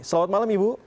selamat malam ibu